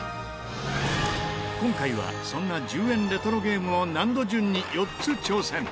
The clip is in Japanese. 今回はそんな１０円レトロゲームを難度順に４つ挑戦。